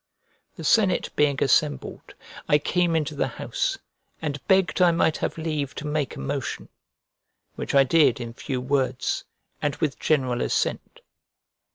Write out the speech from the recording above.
The senate being assembled, I came into the house, and begged I might have leave to make a motion; which I did in few words, and with general assent.